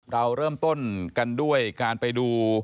เราเริ่มต้นกันด้วยการไปดู